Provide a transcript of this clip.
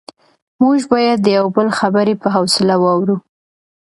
موږ باید د یو بل خبرې په حوصله واورو